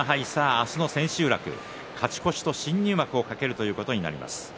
明日の千秋楽勝ち越しと新入幕を懸けることになります。